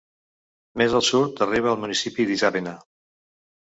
Més al sud arriba al municipi d'Isàvena.